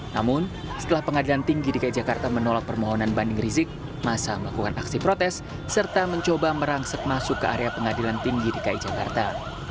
namun setelah pengadilan tinggi dki jakarta menolak permohonan banding rizik masa melakukan aksi protes serta mencoba merangsek masuk ke area pengadilan tinggi dki jakarta